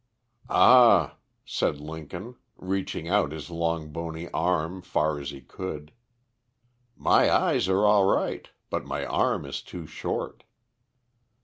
"Ah," said Lincoln reaching out his long bony arm, far as he could, "My eyes are all right, but my arm is too short."